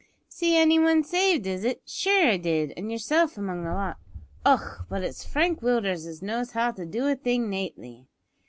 "See any one saved, is it? Shure, I did, an' yerself among the lot. Och! but it's Frank Willders as knows how to do a thing nately.